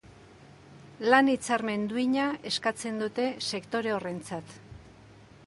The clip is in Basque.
Lan-hitzarmen duina eskatzen dute sektore horrentzat.